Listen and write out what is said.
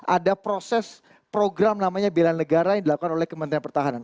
ada proses program namanya bela negara yang dilakukan oleh kementerian pertahanan